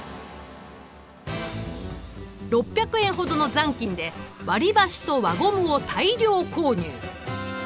６００円ほどの残金で割りばしと輪ゴムを大量購入。